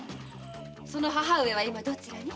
その母上は今どちらに？